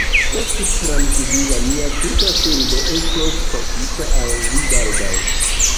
Estu trankvila, mia tuta ŝuldo estos pagita al vi baldaŭ.